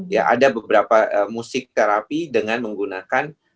ya ada beberapa musik terapi dengan menggunakan